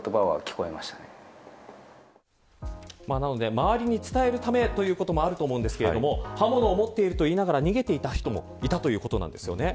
周りに伝えるためということもあると思うんですが刃物を持っている、と言いながら逃げていた人もいたということです。